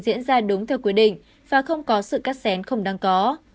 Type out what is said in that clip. diễn ra đúng theo quy định và không có sự cắt xén không đáng có